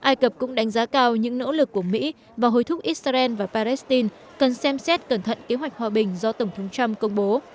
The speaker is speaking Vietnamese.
ai cập cũng đánh giá cao những nỗ lực của mỹ vào hồi thúc israel và palestine cần xem xét cẩn thận kế hoạch hòa bình do tổng thống trump công bố